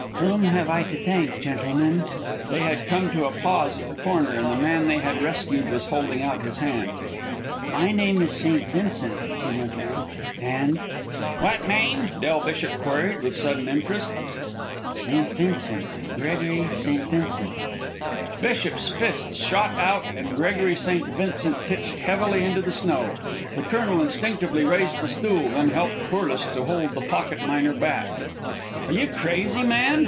"Whom have I to thank, gentlemen?" They had come to a pause at the corner, and the man they had rescued was holding out his hand. "My name is St. Vincent," he went on, "and " "What name?" Del Bishop queried with sudden interest. "St. Vincent, Gregory St. Vincent " Bishop's fist shot out, and Gregory St. Vincent pitched heavily into the snow. The colonel instinctively raised the stool, then helped Corliss to hold the pocket miner back. "Are you crazy, man?"